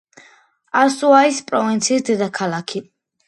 ასუაის პროვინციის დედაქალაქი.